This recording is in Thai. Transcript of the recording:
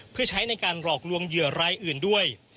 เพื่อใช้ในการหลอกลวงเหยื่อรายอื่นด้วย